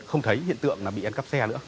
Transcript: không thấy hiện tượng là bị ăn cắp xe nữa